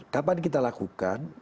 kapan kita lakukan